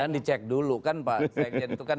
dan dicek dulu kan pak sekjen itu kan